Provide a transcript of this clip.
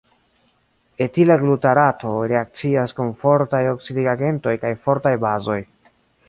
Etila glutarato reakcias kun fortaj oksidigagentoj kaj fortaj bazoj.